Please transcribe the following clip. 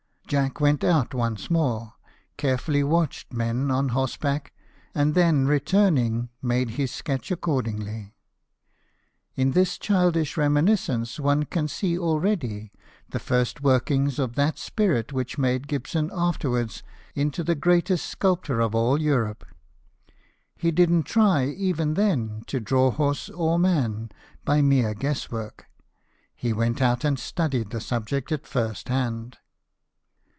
Jack went out once more, " carefully watched men on horse back," and then returning, made his sketch accordingly. In this childish reminiscence one can see already the first workings of that spirit which made Gibson afterwards into the greatest sculptor of all Europe. He didn't try even then to draw horse or man by mere guess work ; he went out and studied the subject at first hand.